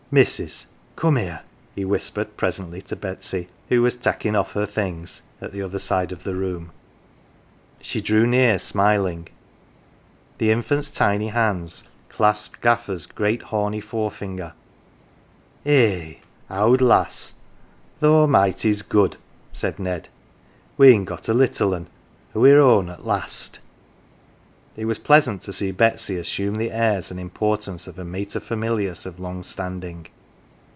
" Missus, come here," he whispered presently to Betsy, who was " taking off her things " at the other side of the room. She drew near, smiling. The infant's tiny hands clasped Gaffer's great horny forefinger. "Eh, owd lass, th' Almighty's good!" said Ned, " we'n got a little un o' we're own at last." It was pleasant to see Betsy assume the airs and importance of a materfamilias of long standing.